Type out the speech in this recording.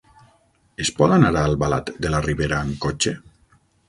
Es pot anar a Albalat de la Ribera amb cotxe?